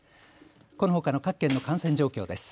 このほかの各県の感染状況です。